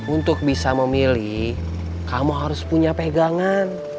untuk bisa memilih kamu harus punya pegangan